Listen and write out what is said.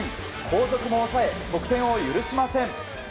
後続も抑え得点を許しません。